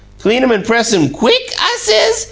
'Clean 'em an' press 'em QUICK?' I says.